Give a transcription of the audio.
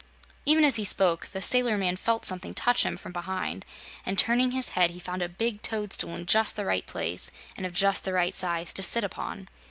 Even as he spoke, the sailor man felt something touch him from behind and, turning his head, he found a big toadstool in just the right place and of just the right size to sit upon.